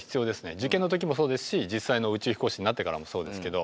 受験の時もそうですし実際の宇宙飛行士になってからもそうですけど。